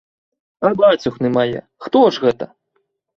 А бацюхны мае, хто ж гэта?